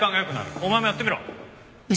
お前もやってみろ。